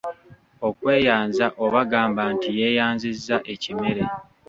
Okweyanza oba gamba nti yeeyanzizza ekimere.